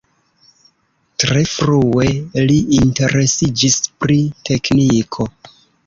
Tre frue li interesiĝis pri tekniko.